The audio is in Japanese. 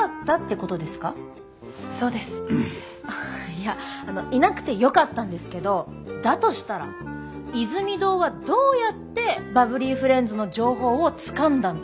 いやあのいなくてよかったんですけどだとしたらイズミ堂はどうやってバブリーフレンズの情報をつかんだんですか？